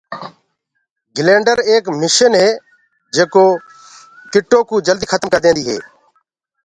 گرينڊر ايڪ مشن هي جينڪآ جنگو ڪوُ جلدي کتم ڪردي هي۔